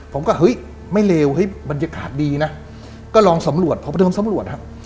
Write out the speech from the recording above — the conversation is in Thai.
ผมก็เฮ้ยไม่เลวเฮ้ยบรรยากาศดีนะก็ลองสำรวจพอประเดิมสำรวจฮะ